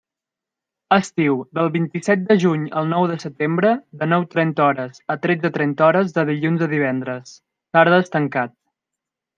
Estiu: del vint-i-set de juny al nou de setembre, de nou trenta hores a tretze trenta hores de dilluns a divendres, tardes tancat.